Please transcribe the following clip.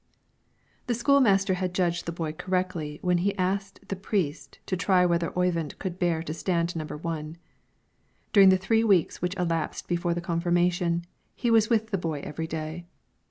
The school master had judged the boy correctly when he asked the priest to try whether Oyvind could bear to stand number one. During the three weeks which elapsed before the confirmation, he was with the boy every day.